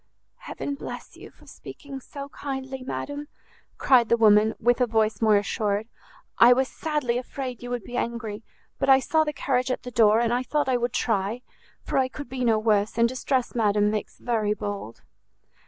"Heaven bless you for speaking so kindly, madam!" cried the woman, with a voice more assured; "I was sadly afraid you would be angry, but I saw the carriage at the door, and I thought I would try; for I could be no worse; and distress, madam, makes very bold."